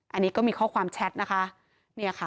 อันนี้ก็มีข้อความแชทนะคะ